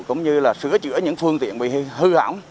cũng như là sửa chữa những phương tiện bị hư hỏng